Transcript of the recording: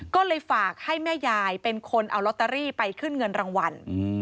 ก็เลยฝากให้แม่ยายเป็นคนเอาลอตเตอรี่ไปขึ้นเงินรางวัล